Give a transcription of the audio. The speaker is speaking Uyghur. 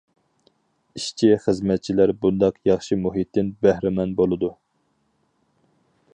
ئىشچى- خىزمەتچىلەر بۇنداق ياخشى مۇھىتتىن بەھرىمەن بولىدۇ.